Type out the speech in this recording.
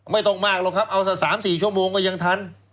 ไม่ต้องมากหรอกครับเอาสัก๓๔ชั่วโมงก็ยังทัน